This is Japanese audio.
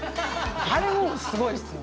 あれもうすごいですよ。